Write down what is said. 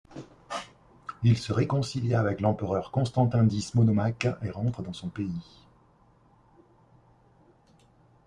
Il se réconcilia avec l’empereur Constantin X Monomaque et rentre dans son pays.